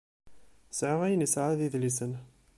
Sεiɣ ayen yesεa d idlisen.